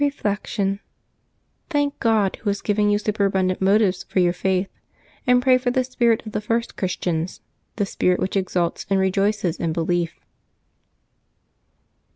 Reflection. — Thank God Who has given you superabun dant motives for your faith ; and pray for the spirit of the first Christians, the spirit which exults and rejoices in be lief.